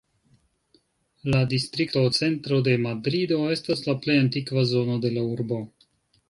La distrikto Centro de Madrido estas la plej antikva zono de la urbo.